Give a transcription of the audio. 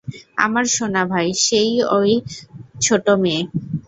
আমার সোনা ভাই, সে-ই ওই ছোট মেয়ে।